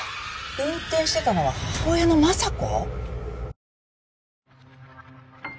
運転してたのは母親の昌子！？